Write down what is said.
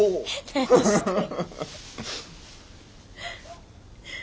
何してんの？